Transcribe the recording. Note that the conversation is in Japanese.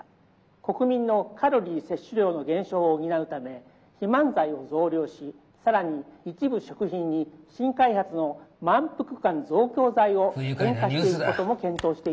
国民のカロリー摂取量の減少を補うため肥満剤を増量し更に一部食品に新開発の満腹感増強剤を添加していくことも検討して」。